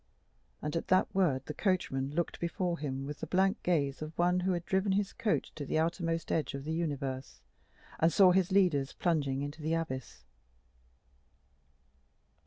and at that word the coachman looked before him with the blank gaze of one who had driven his coach to the outermost edge of the universe, and saw his leaders plunging into the abyss.